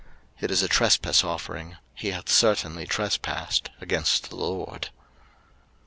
03:005:019 It is a trespass offering: he hath certainly trespassed against the LORD.